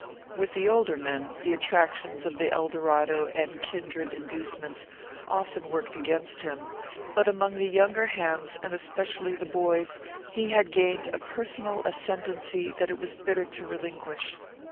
With the older men, the attractions of the Eldorado, and kindred inducements, often worked against him; but among the younger hands, and especially the boys, he had gained a personal ascendency that it was bitter to relinquish.